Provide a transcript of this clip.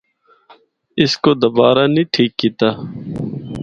اس کو دبّارہ نیں ٹھیک کیتا۔